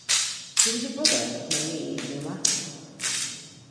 He was a brother of Marie Neurath.